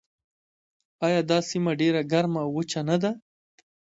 آیا دا سیمه ډیره ګرمه او وچه نه ده؟